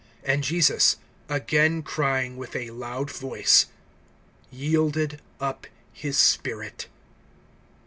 (50)And Jesus, again crying with a loud voice, yielded up his spirit.